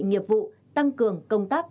nghiệp vụ tăng cường công tác